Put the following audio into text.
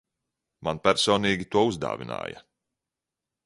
Man personīgi to uzdāvināja.